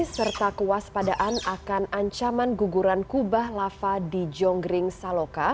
serta kewaspadaan akan ancaman guguran kubah lava di jonggring saloka